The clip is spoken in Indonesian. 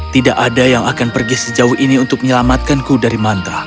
tidak ada yang akan pergi sejauh ini untuk menyelamatkanku dari mantra